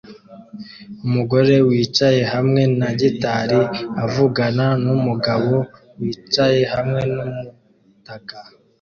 Umugore wicaye hamwe na gitari avugana numugabo wicaye hamwe numutaka